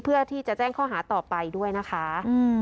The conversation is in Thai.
เพื่อที่จะแจ้งข้อหาต่อไปด้วยนะคะ